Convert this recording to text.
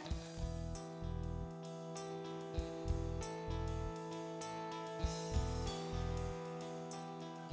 kan gue lupa harus telepon tristan